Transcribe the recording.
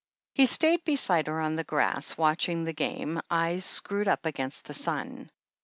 He stayed beside her on the grass, watching the game, eyes screwed up against the sun.